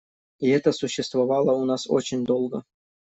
И это существовало у нас очень долго.